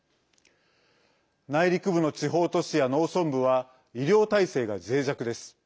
内陸部の地方都市や農村部は医療体制が、ぜい弱です。